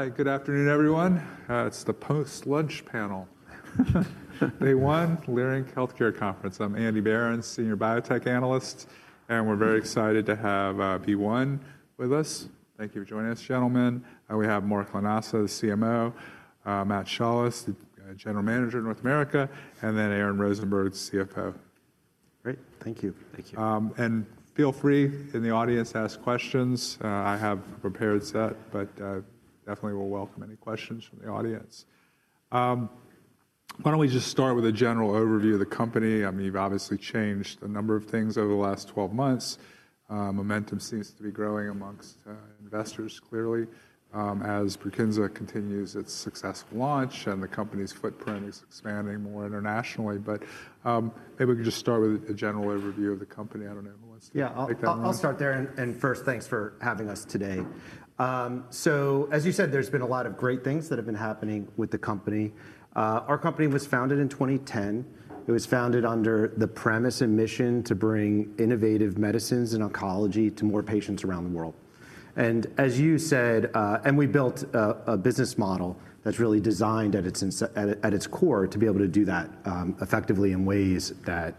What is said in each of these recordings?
All right, good afternoon, everyone. It's the post-lunch panel, BeOne Lyric Healthcare Conference. I'm Andy Beren, Senior Biotech Analyst, and we're very excited to have BeOne with us. Thank you for joining us, gentlemen. We have Mark Lanasa, CMO, Matt Shaulis, General Manager of North America, and then Aaron Rosenberg, CFO. Great, thank you. Feel free in the audience to ask questions. I have a prepared set, but definitely will welcome any questions from the audience. Why don't we just start with a general overview of the company? I mean, you've obviously changed a number of things over the last 12 months. Momentum seems to be growing amongst investors, clearly, as Brukinza continues its successful launch and the company's footprint is expanding more internationally. Maybe we can just start with a general overview of the company. I don't know if you want to take that one. Yeah, I'll start there. First, thanks for having us today. As you said, there's been a lot of great things that have been happening with the company. Our company was founded in 2010. It was founded under the premise and mission to bring innovative medicines and oncology to more patients around the world. As you said, we built a business model that's really designed at its core to be able to do that effectively in ways that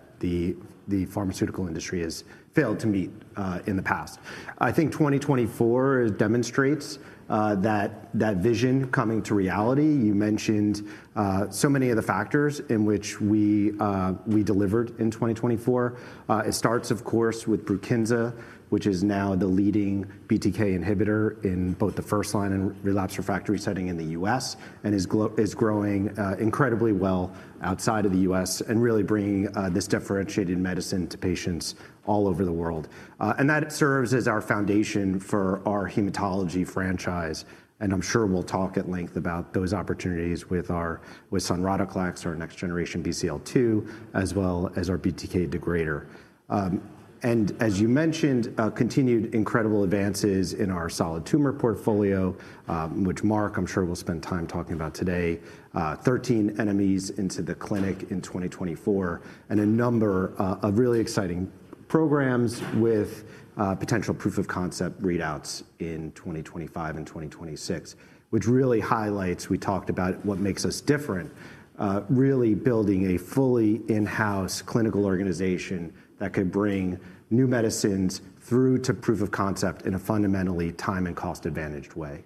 the pharmaceutical industry has failed to meet in the past. I think 2024 demonstrates that vision coming to reality. You mentioned so many of the factors in which we delivered in 2024. It starts, of course, with Brukinza, which is now the leading BTK inhibitor in both the first-line and relapse refractory setting in the US and is growing incredibly well outside of the US and really bringing this differentiated medicine to patients all over the world. That serves as our foundation for our hematology franchise. I'm sure we'll talk at length about those opportunities with sonrotoclax, our next-generation BCL-2, as well as our BTK degrader. As you mentioned, continued incredible advances in our solid tumor portfolio, which Marc, I'm sure, will spend time talking about today, 13 NMEs into the clinic in 2024, and a number of really exciting programs with potential proof of concept readouts in 2025 and 2026, which really highlights we talked about what makes us different, really building a fully in-house clinical organization that could bring new medicines through to proof of concept in a fundamentally time and cost-advantaged way.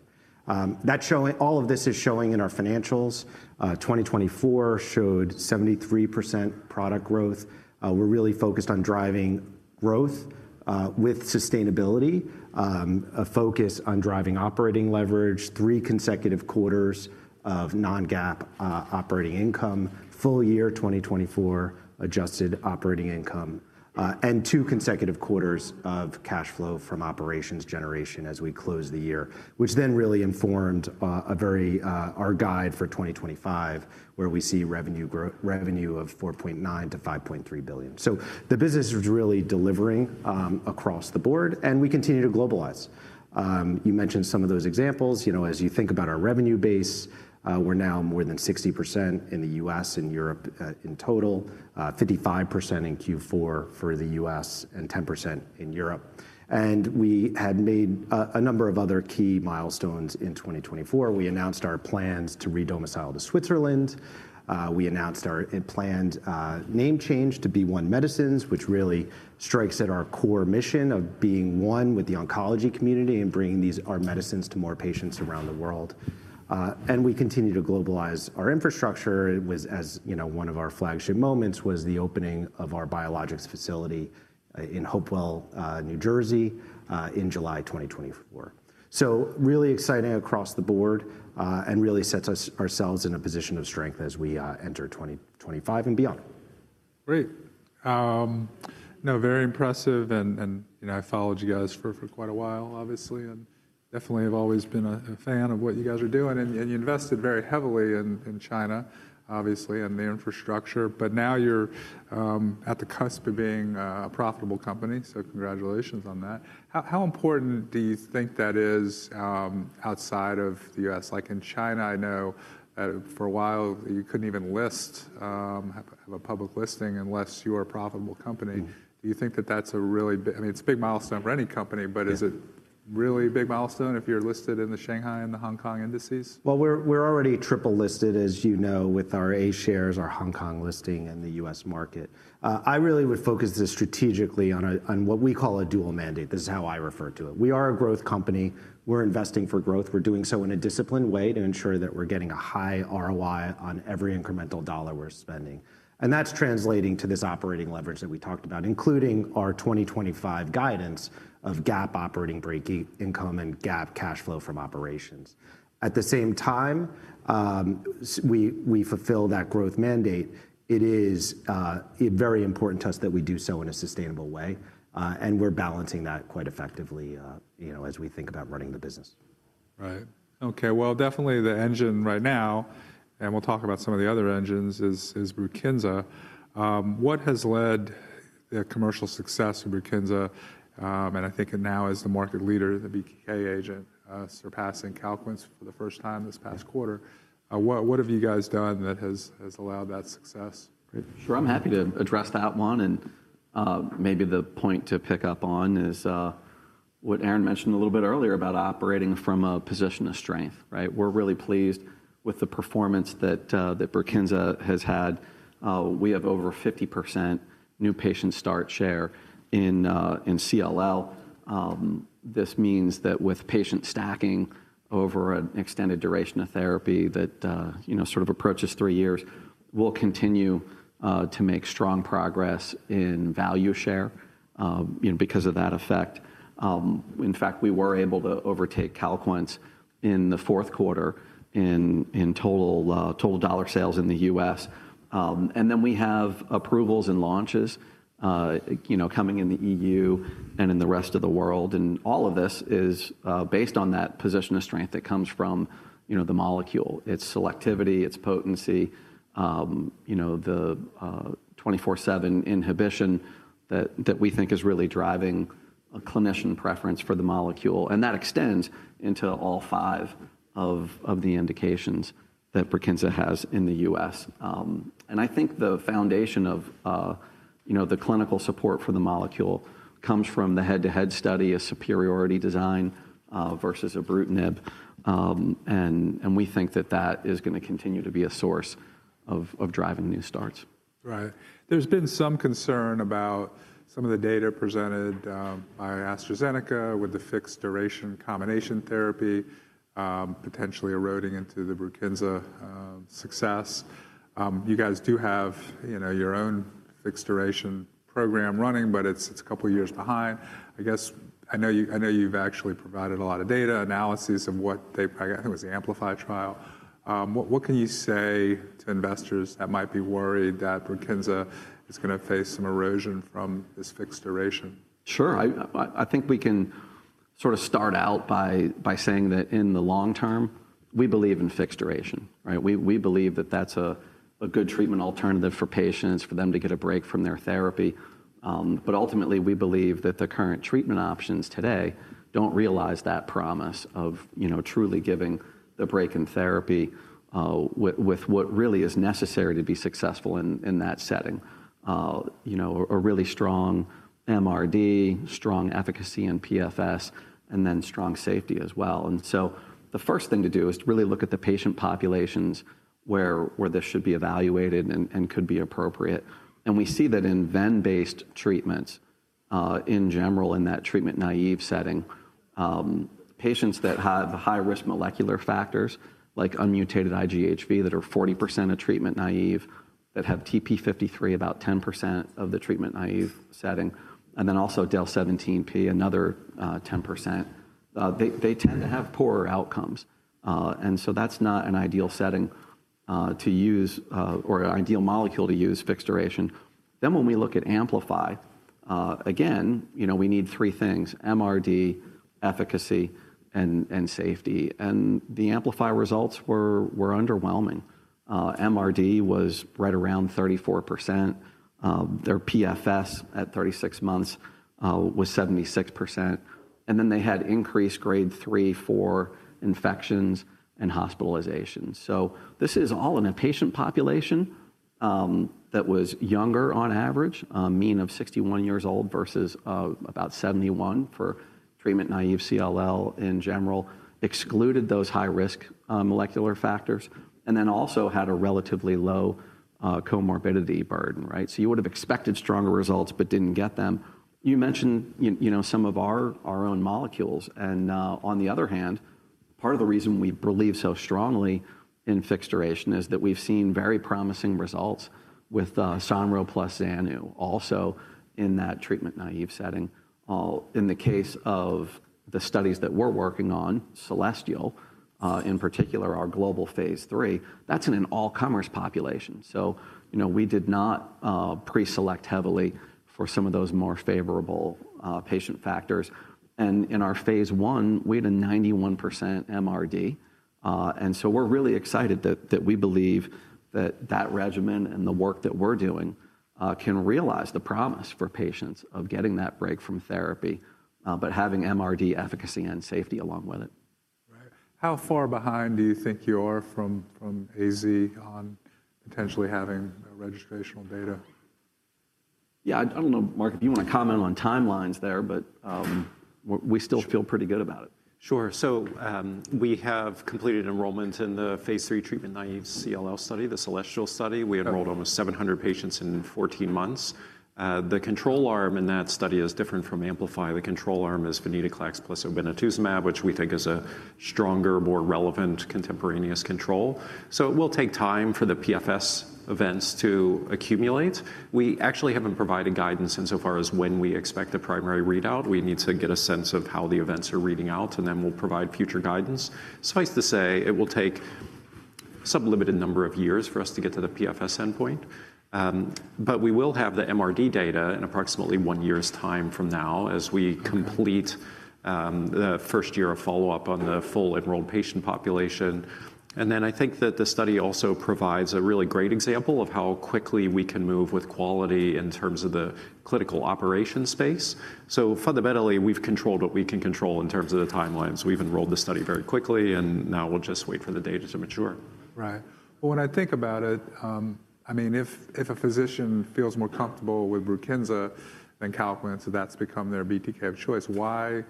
All of this is showing in our financials. 2024 showed 73% product growth. We're really focused on driving growth with sustainability, a focus on driving operating leverage, three consecutive quarters of non-GAAP operating income, full year 2024 adjusted operating income, and two consecutive quarters of cash flow from operations generation as we close the year, which then really informed our guide for 2025, where we see revenue of $4.9 billion-$5.3 billion. The business is really delivering across the board, and we continue to globalize. You mentioned some of those examples. As you think about our revenue base, we're now more than 60% in the US and Europe in total, 55% in Q4 for the US and 10% in Europe. We had made a number of other key milestones in 2024. We announced our plans to re-domicile to Switzerland. We announced our planned name change to BeOne Medicines, which really strikes at our core mission of being one with the oncology community and bringing our medicines to more patients around the world. We continue to globalize our infrastructure. One of our flagship moments was the opening of our biologics facility in Hopewell, New Jersey, in July 2024. It is really exciting across the board and really sets ourselves in a position of strength as we enter 2025 and beyond. Great. No, very impressive. I have followed you guys for quite a while, obviously, and definitely have always been a fan of what you guys are doing. You invested very heavily in China, obviously, and the infrastructure. Now you are at the cusp of being a profitable company. Congratulations on that. How important do you think that is outside of the US? Like in China, I know for a while you could not even list, have a public listing unless you are a profitable company. Do you think that that is a really big—I mean, it is a big milestone for any company, but is it really a big milestone if you are listed in the Shanghai and the Hong Kong indices? We're already triple listed, as you know, with our A-shares, our Hong Kong listing, and the US market. I really would focus this strategically on what we call a dual mandate. This is how I refer to it. We are a growth company. We're investing for growth. We're doing so in a disciplined way to ensure that we're getting a high ROI on every incremental dollar we're spending. That's translating to this operating leverage that we talked about, including our 2025 guidance of GAAP operating break-even income and GAAP cash flow from operations. At the same time, we fulfill that growth mandate. It is very important to us that we do so in a sustainable way. We're balancing that quite effectively as we think about running the business. Right. Okay. Definitely the engine right now, and we'll talk about some of the other engines, is Brukinza. What has led the commercial success of Brukinza? I think it now is the market leader, the BTK agent, surpassing Calquence for the first time this past quarter. What have you guys done that has allowed that success? Sure. I'm happy to address that one. Maybe the point to pick up on is what Aaron mentioned a little bit earlier about operating from a position of strength. We're really pleased with the performance that Brukinza has had. We have over 50% new patient start share in CLL. This means that with patient stacking over an extended duration of therapy that sort of approaches three years, we'll continue to make strong progress in value share because of that effect. In fact, we were able to overtake Calquence in the fourth quarter in total dollar sales in the US We have approvals and launches coming in the EU and in the rest of the world. All of this is based on that position of strength that comes from the molecule, its selectivity, its potency, the 24/7 inhibition that we think is really driving a clinician preference for the molecule. That extends into all five of the indications that Brukinza has in the US I think the foundation of the clinical support for the molecule comes from the head-to-head study, a superiority design versus ibrutinib. We think that is going to continue to be a source of driving new starts. Right. There's been some concern about some of the data presented by AstraZeneca with the fixed duration combination therapy potentially eroding into the Brukinza success. You guys do have your own fixed duration program running, but it's a couple of years behind. I guess I know you've actually provided a lot of data analysis of what they—I think it was the Amplify trial. What can you say to investors that might be worried that Brukinza is going to face some erosion from this fixed duration? Sure. I think we can sort of start out by saying that in the long term, we believe in fixed duration. We believe that that's a good treatment alternative for patients, for them to get a break from their therapy. Ultimately, we believe that the current treatment options today don't realize that promise of truly giving the break in therapy with what really is necessary to be successful in that setting, a really strong MRD, strong efficacy in PFS, and then strong safety as well. The first thing to do is really look at the patient populations where this should be evaluated and could be appropriate. We see that in ven-based treatments in general in that treatment naive setting, patients that have high-risk molecular factors like unmutated IGHV that are 40% of treatment naive, that have TP53 about 10% of the treatment naive setting, and then also del(17p), another 10%, they tend to have poorer outcomes. That is not an ideal setting to use or an ideal molecule to use fixed duration. When we look at Amplify, again, we need three things: MRD, efficacy, and safety. The Amplify results were underwhelming. MRD was right around 34%. Their PFS at 36 months was 76%. They had increased grade three, four infections and hospitalizations. This is all in a patient population that was younger on average, a mean of 61 years old versus about 71 for treatment-naive CLL in general, excluded those high-risk molecular factors, and then also had a relatively low comorbidity burden. You would have expected stronger results but did not get them. You mentioned some of our own molecules. On the other hand, part of the reason we believe so strongly in fixed duration is that we have seen very promising results with Sonro plus Xanu, also in that treatment-naive setting. In the case of the studies that we are working on, Celestial in particular, our global phase three, that is in an all-comers population. We did not pre-select heavily for some of those more favorable patient factors. In our phase one, we had a 91% MRD. We are really excited that we believe that that regimen and the work that we are doing can realize the promise for patients of getting that break from therapy but having MRD efficacy and safety along with it. Right. How far behind do you think you are from AZ on potentially having registrational data? Yeah, I don't know, Marc, if you want to comment on timelines there, but we still feel pretty good about it. Sure. We have completed enrollment in the phase three treatment-naive CLL study, the Celestial study. We enrolled almost 700 patients in 14 months. The control arm in that study is different from Amplify. The control arm is venetoclax plus obinutuzumab, which we think is a stronger, more relevant contemporaneous control. It will take time for the PFS events to accumulate. We actually haven't provided guidance insofar as when we expect the primary readout. We need to get a sense of how the events are reading out, and then we'll provide future guidance. Suffice to say, it will take a sublimited number of years for us to get to the PFS endpoint. We will have the MRD data in approximately one year's time from now as we complete the first year of follow-up on the full enrolled patient population. I think that the study also provides a really great example of how quickly we can move with quality in terms of the clinical operation space. Fundamentally, we have controlled what we can control in terms of the timelines. We have enrolled the study very quickly, and now we will just wait for the data to mature. Right. When I think about it, I mean, if a physician feels more comfortable with Brukinza than Calquence, that's become their BTK of choice. Why?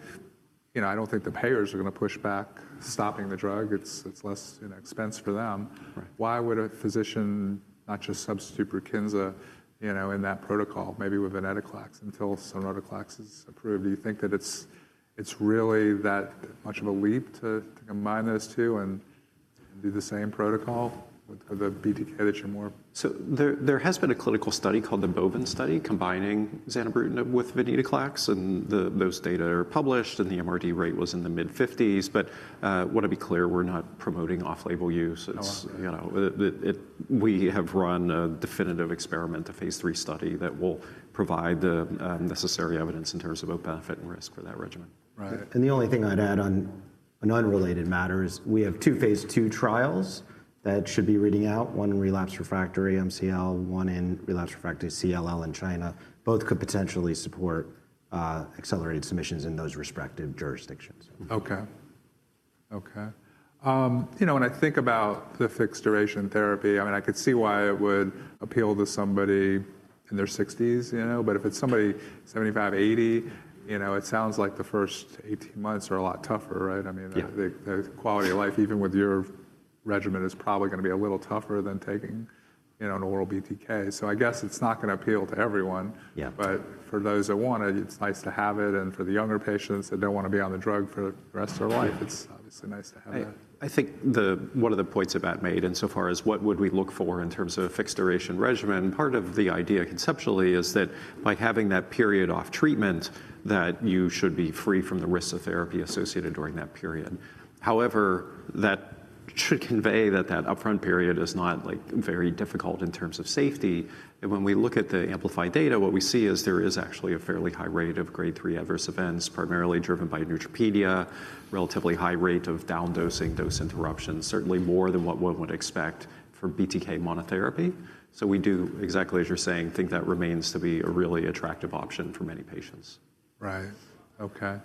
I don't think the payers are going to push back stopping the drug. It's less expense for them. Why would a physician not just substitute Brukinza in that protocol, maybe with Venetoclax until sonrotoclax is approved? Do you think that it's really that much of a leap to combine those two and do the same protocol with the BTK that you're more? There has been a clinical study called the Bowen study combining Zanubrutinib with Venetoclax. Those data are published, and the MRD rate was in the mid-50%. I want to be clear, we're not promoting off-label use. We have run a definitive experiment, a phase three study that will provide the necessary evidence in terms of both benefit and risk for that regimen. Right. The only thing I'd add on an unrelated matter is we have two phase two trials that should be reading out, one in relapsed refractory MCL, one in relapsed refractory CLL in China. Both could potentially support accelerated submissions in those respective jurisdictions. Okay. Okay. When I think about the fixed duration therapy, I mean, I could see why it would appeal to somebody in their 60s. If it's somebody 75, 80, it sounds like the first 18 months are a lot tougher, right? I mean, the quality of life, even with your regimen, is probably going to be a little tougher than taking an oral BTK. I guess it's not going to appeal to everyone. For those that want it, it's nice to have it. For the younger patients that don't want to be on the drug for the rest of their life, it's obviously nice to have it. I think one of the points about made insofar as what would we look for in terms of a fixed duration regimen, part of the idea conceptually is that by having that period off treatment, that you should be free from the risks of therapy associated during that period. However, that should convey that that upfront period is not very difficult in terms of safety. And when we look at the Amplify data, what we see is there is actually a fairly high rate of grade three adverse events, primarily driven by neutropenia, relatively high rate of down-dosing, dose interruption, certainly more than what one would expect for BTK monotherapy. So we do, exactly as you're saying, think that remains to be a really attractive option for many patients. Right. Okay.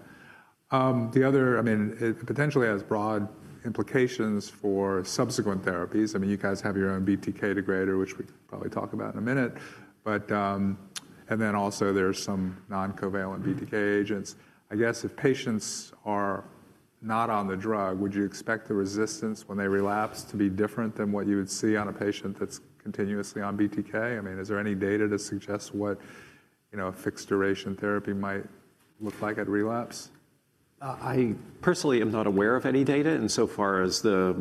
The other, I mean, it potentially has broad implications for subsequent therapies. I mean, you guys have your own BTK degrader, which we can probably talk about in a minute. I mean, there's some non-covalent BTK agents. I guess if patients are not on the drug, would you expect the resistance when they relapse to be different than what you would see on a patient that's continuously on BTK? I mean, is there any data to suggest what a fixed duration therapy might look like at relapse? I personally am not aware of any data insofar as the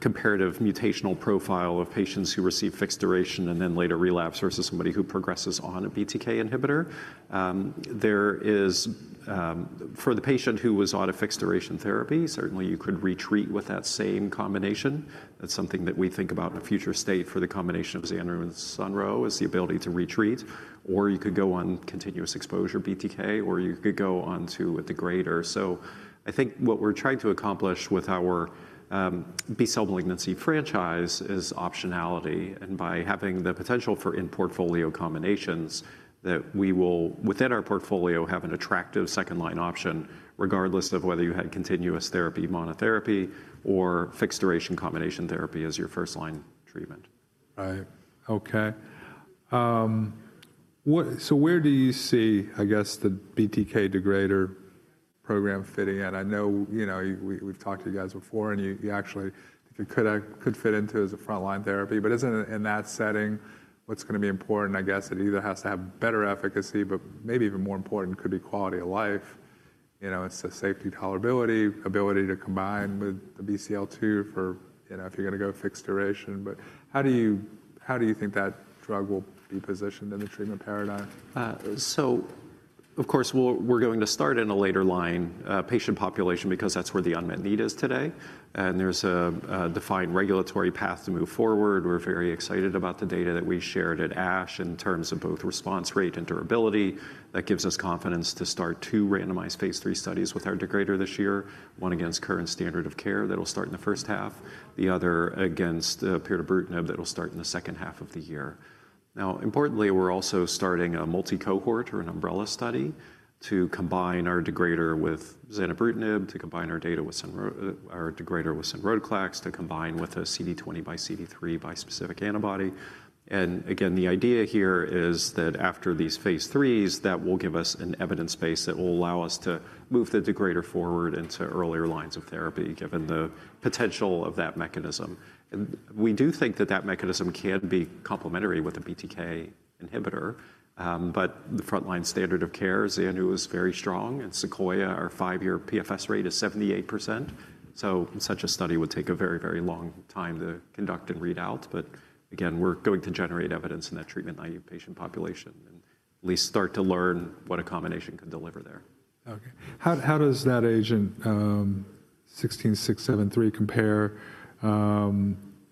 comparative mutational profile of patients who receive fixed duration and then later relapse versus somebody who progresses on a BTK inhibitor. For the patient who was on a fixed duration therapy, certainly you could retreat with that same combination. That's something that we think about in a future state for the combination of Zanubrutinib and sonrotoclax is the ability to retreat. You could go on continuous exposure BTK, or you could go on to a degrader. I think what we're trying to accomplish with our B-cell malignancy franchise is optionality. By having the potential for in-portfolio combinations, we will, within our portfolio, have an attractive second-line option regardless of whether you had continuous therapy monotherapy or fixed duration combination therapy as your first-line treatment. Right. Okay. Where do you see, I guess, the BTK degrader program fitting in? I know we've talked to you guys before, and you actually think it could fit into as a front-line therapy. In that setting, what's going to be important, I guess, it either has to have better efficacy, but maybe even more important could be quality of life. It's the safety, tolerability, ability to combine with the BCL2 for if you're going to go fixed duration. How do you think that drug will be positioned in the treatment paradigm? Of course, we're going to start in a later line patient population because that's where the unmet need is today. There is a defined regulatory path to move forward. We're very excited about the data that we shared at ASH in terms of both response rate and durability. That gives us confidence to start two randomized phase three studies with our degrader this year, one against current standard of care that will start in the first half, the other against pirtobrutinib that will start in the second half of the year. Importantly, we're also starting a multi-cohort or an umbrella study to combine our degrader with zanubrutinib, to combine our degrader with sonrotoclax, to combine with a CD20 by CD3 bispecific antibody. The idea here is that after these Phase IIIs, that will give us an evidence base that will allow us to move the degrader forward into earlier lines of therapy given the potential of that mechanism. We do think that that mechanism can be complementary with a BTK inhibitor. The front-line standard of care, Xanu, is very strong. In Sequoia, our five-year PFS rate is 78%. Such a study would take a very, very long time to conduct and read out. We are going to generate evidence in that treatment naive patient population and at least start to learn what a combination could deliver there. Okay. How does that agent, 16673, compare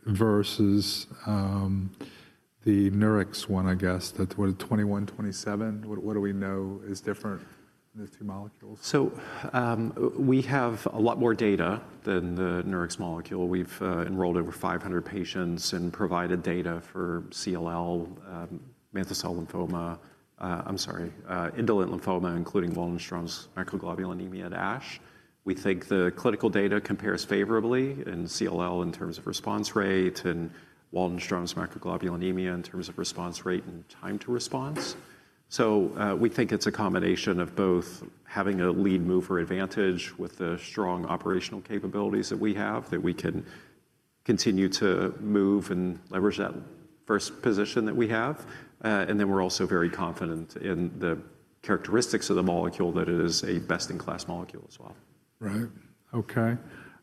versus the Nurix one, I guess? What, 2127? What do we know is different in the two molecules? We have a lot more data than the Nurix molecule. We've enrolled over 500 patients and provided data for CLL, mantle cell lymphoma, I'm sorry, indolent lymphoma, including Waldenstrom's macroglobulinemia at ASH. We think the clinical data compares favorably in CLL in terms of response rate and Waldenstrom's macroglobulinemia in terms of response rate and time to response. We think it's a combination of both having a lead-mover advantage with the strong operational capabilities that we have that we can continue to move and leverage that first position that we have. We're also very confident in the characteristics of the molecule that it is a best-in-class molecule as well. Right. Okay.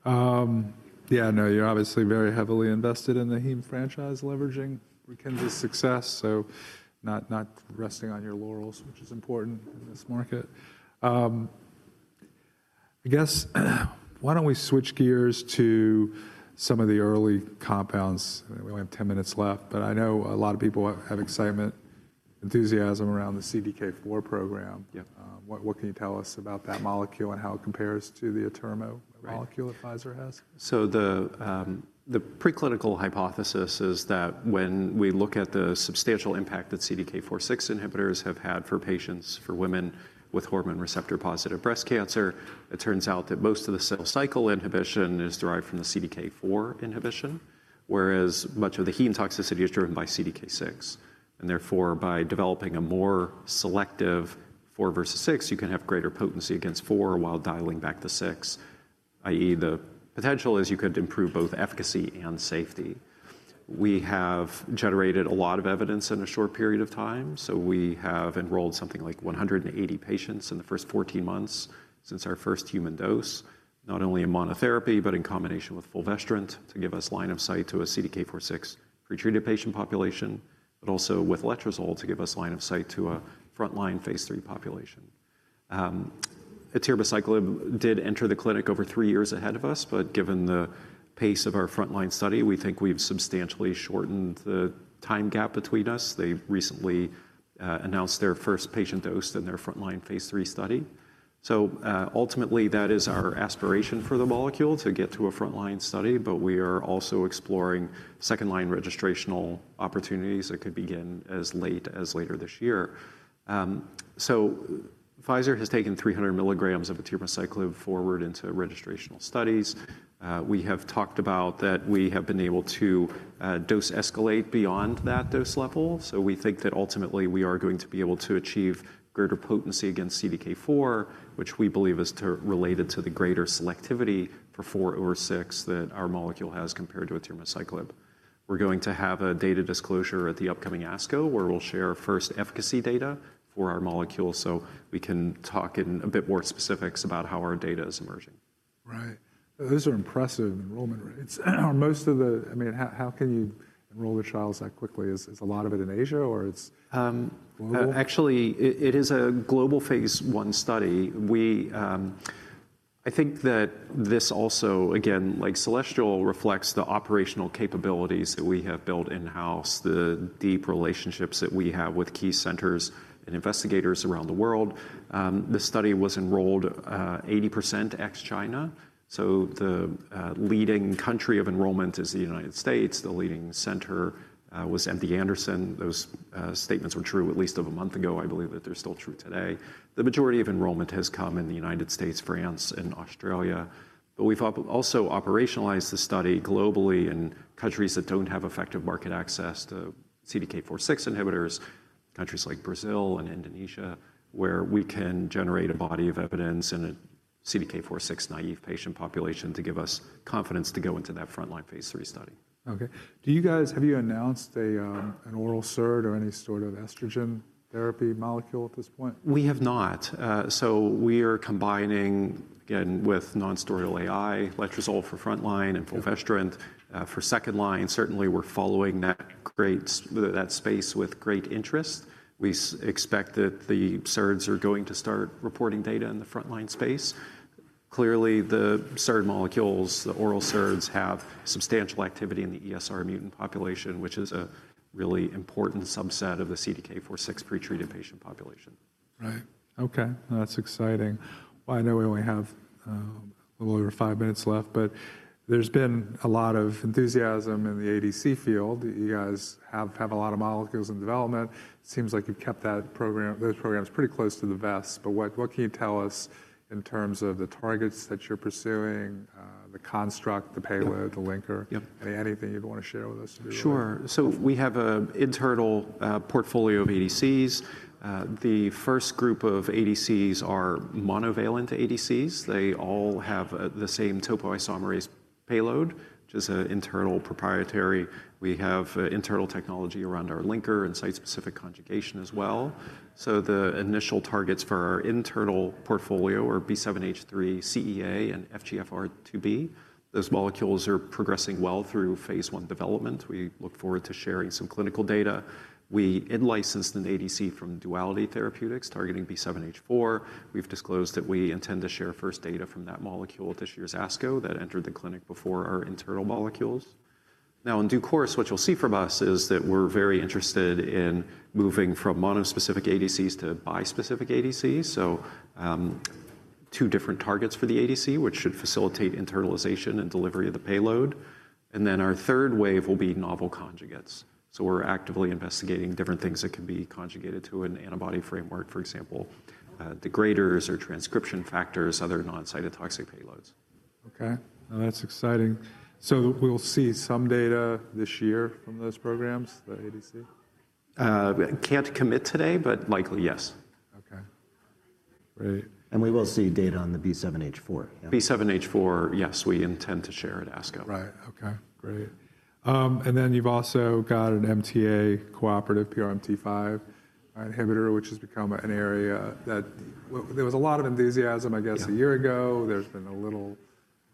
Yeah, no, you're obviously very heavily invested in the heme franchise leveraging Brukinza's success, so not resting on your laurels, which is important in this market. I guess why don't we switch gears to some of the early compounds? We only have 10 minutes left. I know a lot of people have excitement, enthusiasm around the CDK4 program. What can you tell us about that molecule and how it compares to the ATERMO molecule that Pfizer has? The preclinical hypothesis is that when we look at the substantial impact that CDK4/6 inhibitors have had for patients, for women with hormone receptor-positive breast cancer, it turns out that most of the cell cycle inhibition is derived from the CDK4 inhibition, whereas much of the heme toxicity is driven by CDK6. Therefore, by developing a more selective 4 versus 6, you can have greater potency against 4 while dialing back the 6. I.e., the potential is you could improve both efficacy and safety. We have generated a lot of evidence in a short period of time. We have enrolled something like 180 patients in the first 14 months since our first human dose, not only in monotherapy, but in combination with fulvestrant to give us line of sight to a CDK4/6 pretreated patient population, but also with letrozole to give us line of sight to a front-line phase three population. Atirbiciclib did enter the clinic over three years ahead of us. Given the pace of our front-line study, we think we've substantially shortened the time gap between us. They recently announced their first patient dose in their front-line phase three study. Ultimately, that is our aspiration for the molecule to get to a front-line study. We are also exploring second-line registrational opportunities that could begin as late as later this year. Pfizer has taken 300 milligrams of atirbicycline forward into registrational studies. We have talked about that we have been able to dose escalate beyond that dose level. We think that ultimately we are going to be able to achieve greater potency against CDK4, which we believe is related to the greater selectivity for 4 over 6 that our molecule has compared to atirbicycline. We are going to have a data disclosure at the upcoming ASCO where we will share our first efficacy data for our molecule so we can talk in a bit more specifics about how our data is emerging. Right. Those are impressive enrollment rates. I mean, how can you enroll the trials that quickly? Is a lot of it in Asia or it's global? Actually, it is a global phase one study. I think that this also, again, like Celestial, reflects the operational capabilities that we have built in-house, the deep relationships that we have with key centers and investigators around the world. The study was enrolled 80% ex-China. The leading country of enrollment is the United States. The leading center was MD Anderson. Those statements were true at least of a month ago. I believe that they're still true today. The majority of enrollment has come in the United States, France, and Australia. We have also operationalized the study globally in countries that do not have effective market access to CDK4/6 inhibitors, countries like Brazil and Indonesia, where we can generate a body of evidence in a CDK4/6 naive patient population to give us confidence to go into that front-line Phase III study. Okay. Have you announced an oral cert or any sort of estrogen therapy molecule at this point? We have not. We are combining, again, with non-steroidal AI, letrozole for front line and fulvestrant for second line. Certainly, we're following that space with great interest. We expect that the certs are going to start reporting data in the front line space. Clearly, the cert molecules, the oral certs, have substantial activity in the ESR mutant population, which is a really important subset of the CDK4/6 pretreated patient population. Right. Okay. That's exciting. I know we only have a little over five minutes left. There's been a lot of enthusiasm in the ADC field. You guys have a lot of molecules in development. It seems like you've kept those programs pretty close to the vest. What can you tell us in terms of the targets that you're pursuing, the construct, the payload, the linker? Anything you'd want to share with us? Sure. We have an internal portfolio of ADCs. The first group of ADCs are monovalent ADCs. They all have the same topoisomerase payload, which is an internal proprietary. We have internal technology around our linker and site-specific conjugation as well. The initial targets for our internal portfolio are B7-H3, CEA, and FGFR2b. Those molecules are progressing well through phase one development. We look forward to sharing some clinical data. We in-licensed an ADC from Duality Therapeutics targeting B7-H4. We've disclosed that we intend to share first data from that molecule at this year's ASCO that entered the clinic before our internal molecules. In due course, what you'll see from us is that we're very interested in moving from monospecific ADCs to bispecific ADCs. Two different targets for the ADC should facilitate internalization and delivery of the payload. Our third wave will be novel conjugates. We are actively investigating different things that can be conjugated to an antibody framework, for example, degraders or transcription factors, other non-cytotoxic payloads. Okay. That's exciting. We will see some data this year from those programs, the ADC? Can't commit today, but likely, yes. Okay. Great. We will see data on the B7-H4. B7-H4, yes, we intend to share at ASCO. Right. Okay. Great. You have also got an MTA-cooperative PRMT5 inhibitor, which has become an area that there was a lot of enthusiasm, I guess, a year ago. There has been a little,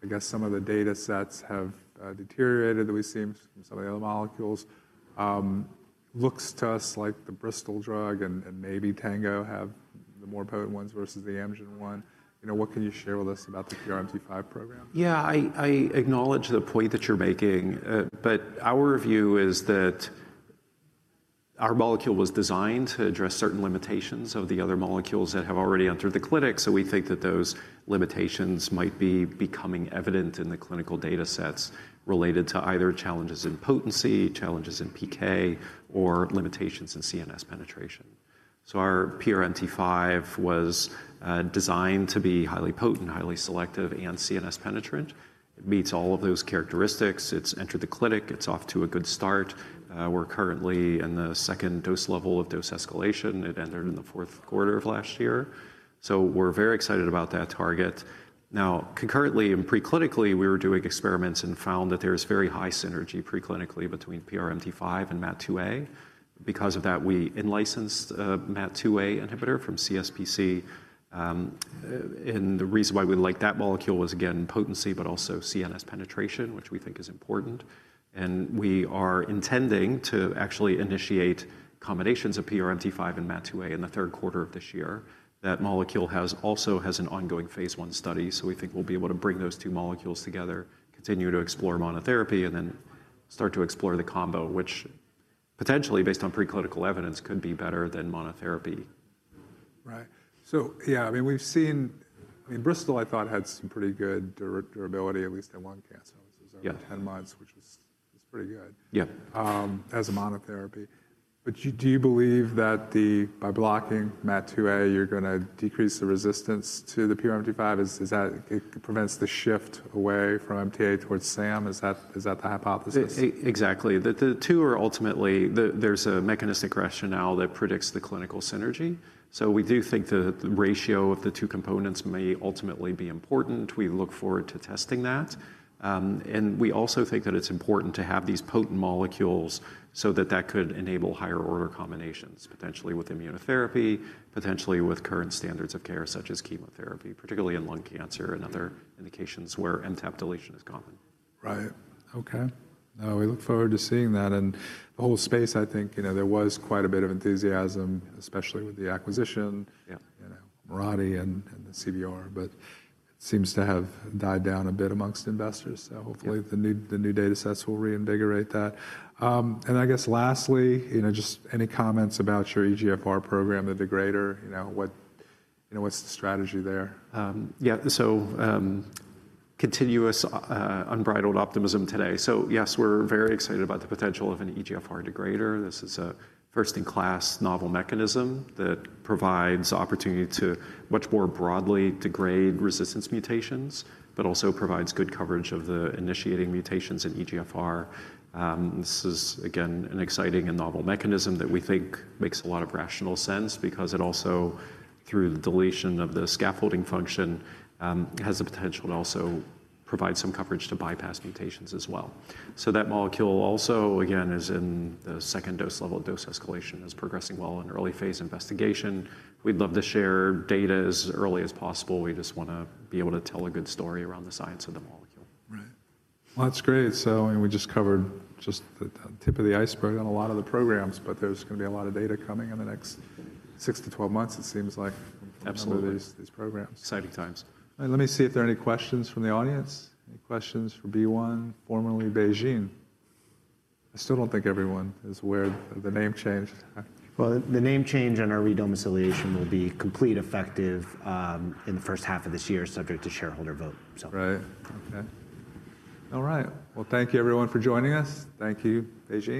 I guess, some of the data sets have deteriorated that we have seen from some of the other molecules. Looks to us like the Bristol-Myers Squibb drug and maybe Tango have the more potent ones versus the Amgen one. What can you share with us about the PRMT5 program? Yeah, I acknowledge the point that you're making. Our view is that our molecule was designed to address certain limitations of the other molecules that have already entered the clinic. We think that those limitations might be becoming evident in the clinical data sets related to either challenges in potency, challenges in PK, or limitations in CNS penetration. Our PRMT5 was designed to be highly potent, highly selective, and CNS penetrant. It meets all of those characteristics. It's entered the clinic. It's off to a good start. We're currently in the second dose level of dose escalation. It entered in the fourth quarter of last year. We're very excited about that target. Now, concurrently and preclinically, we were doing experiments and found that there is very high synergy preclinically between PRMT5 and MAT2A. Because of that, we in-licensed a MAT2A inhibitor from CSPC. The reason why we like that molecule was, again, potency, but also CNS penetration, which we think is important. We are intending to actually initiate combinations of PRMT5 and MAT2A in the third quarter of this year. That molecule also has an ongoing phase one study. We think we'll be able to bring those two molecules together, continue to explore monotherapy, and then start to explore the combo, which potentially, based on preclinical evidence, could be better than monotherapy. Right. Yeah, I mean, we've seen, I mean, Bristol, I thought, had some pretty good durability, at least in one cancer. It was over 10 months, which was pretty good. Yeah. As a monotherapy. Do you believe that by blocking MAT2A, you're going to decrease the resistance to the PRMT5? It prevents the shift away from MTA towards SAM. Is that the hypothesis? Exactly. The two are ultimately there's a mechanistic rationale that predicts the clinical synergy. We do think that the ratio of the two components may ultimately be important. We look forward to testing that. We also think that it's important to have these potent molecules so that that could enable higher order combinations, potentially with immunotherapy, potentially with current standards of care such as chemotherapy, particularly in lung cancer and other indications where MTAP deletion is common. Right. Okay. We look forward to seeing that. The whole space, I think there was quite a bit of enthusiasm, especially with the acquisition, Mirati, and the CVR. It seems to have died down a bit amongst investors. Hopefully, the new data sets will reinvigorate that. I guess lastly, just any comments about your EGFR program, the degrader, what's the strategy there? Yeah. Continuous unbridled optimism today. Yes, we're very excited about the potential of an EGFR degrader. This is a first-in-class novel mechanism that provides opportunity to much more broadly degrade resistance mutations, but also provides good coverage of the initiating mutations in EGFR. This is, again, an exciting and novel mechanism that we think makes a lot of rational sense because it also, through the deletion of the scaffolding function, has the potential to also provide some coverage to bypass mutations as well. That molecule also, again, is in the second dose level of dose escalation, is progressing well in early phase investigation. We'd love to share data as early as possible. We just want to be able to tell a good story around the science of the molecule. Right. That is great. We just covered just the tip of the iceberg on a lot of the programs. There is going to be a lot of data coming in the next 6 to 12 months, it seems like, from some of these programs. Absolutely. Exciting times. Let me see if there are any questions from the audience. Any questions for BeOne, formerly BeiGene? I still do not think everyone is aware of the name change. The name change on our redomiciliation will be complete, effective in the first half of this year, subject to shareholder vote. Right. Okay. All right. Thank you, everyone, for joining us. Thank you, BeGene.